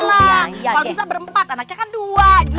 kalau bisa berempat anaknya kan dua gitu